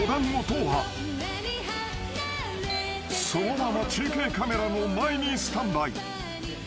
［そのまま中継カメラの前にスタンバイ］